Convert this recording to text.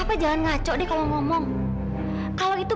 pergi kau pergi